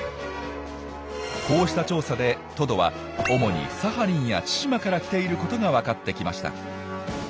こうした調査でトドは主にサハリンや千島から来ていることが分かってきました。